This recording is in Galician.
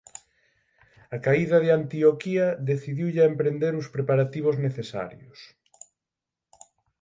A caída de Antioquía decidiulle a emprender os preparativos necesarios.